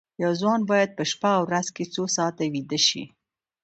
یو ځوان باید په شپه او ورځ کې څو ساعته ویده شي